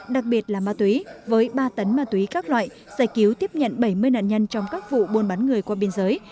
đặc biệt là ma túy với ba tấn ma túy các loại giải cứu tiếp nhận bảy mươi nạn nhân trong các vụ buôn bắn người qua biên giới